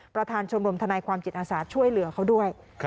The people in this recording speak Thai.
ประธานชมรมทนายความจิตอาสาช่วยเหลือเขาด้วย